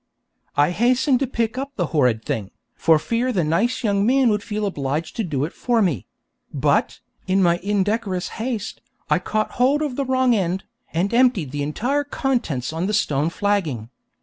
I hastened to pick up the horrid thing, for fear the nice young man would feel obliged to do it for me; but, in my indecorous haste, I caught hold of the wrong end, and emptied the entire contents on the stone flagging.